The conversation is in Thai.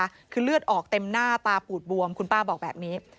ป่าเจ็บนะคะคือเลือดออกเต็มหน้าตาผูดบวมคุณป่าบอกแบบนี้